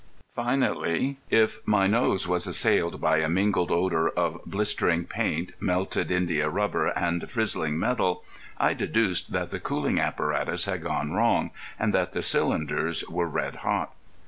Finally, if my nose was assailed by a mingled odour of blistering paint, melted indiarubber, and frizzling metal, I deduced that the cooling apparatus had gone wrong, and that the cylinders were red hot.